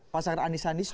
pasar anis anis itu